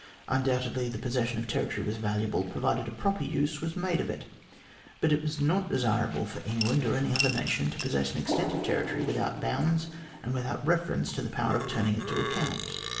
Undoubtedly the possession of territory was valuable, provided a proper use was made of it/l>ut it was not desirable for England or any other nation to possess an extent of territory without bounds and without reference to the power of turning it to account.